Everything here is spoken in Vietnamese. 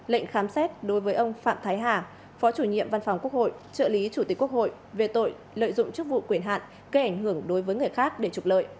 lệnh khám xét đối với ông phạm thái hà phó chủ nhiệm văn phòng quốc hội trợ lý chủ tịch quốc hội về tội lợi dụng chức vụ quyền hạn gây ảnh hưởng đối với người khác để trục lợi